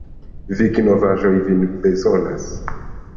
Vikinovaĵoj vin bezonas!